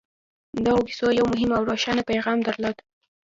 دغو کيسو يو مهم او روښانه پيغام درلود.